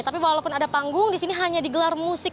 tapi walaupun ada panggung di sini hanya digelar musik